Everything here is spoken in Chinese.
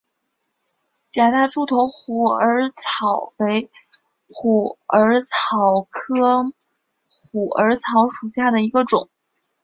假大柱头虎耳草为虎耳草科虎耳草属下的一个种。